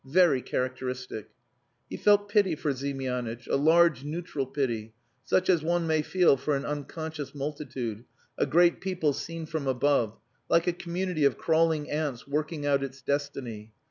Very characteristic." He felt pity for Ziemianitch, a large neutral pity, such as one may feel for an unconscious multitude, a great people seen from above like a community of crawling ants working out its destiny.